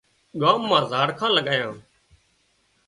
ڳام مان زاڙکان لڳايان